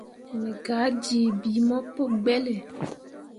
Me gah jii bii mo pu gbelle.